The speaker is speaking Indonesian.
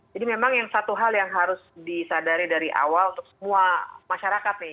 jadi memang yang satu hal yang harus disadari dari awal untuk semua masyarakat nih